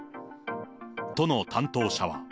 都の担当者は。